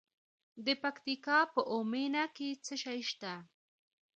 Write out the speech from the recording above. د پکتیکا په اومنه کې څه شی شته؟